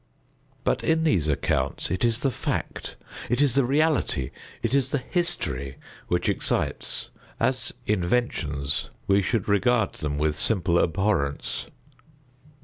But in these accounts it is the fact——it is the reality——it is the history which excites. As inventions, we should regard them with simple abhorrence.